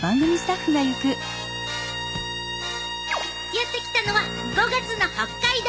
やって来たのは５月の北海道！